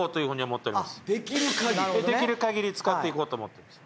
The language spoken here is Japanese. できる限り使っていこうと思ってます。